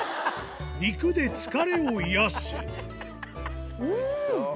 肉で疲れを癒やすうん！